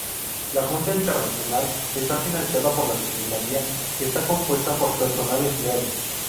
La Junta Internacional está financiada por la Secretaría, que está compuesta por personal empleado.